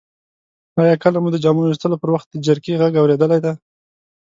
آیا کله مو د جامو ویستلو پر وخت د جرقې غږ اوریدلی دی؟